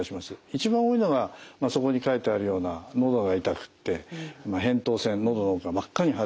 一番多いのがそこに書いてあるようなのどが痛くってへんとう腺のどの奥が真っ赤に腫れるんですね。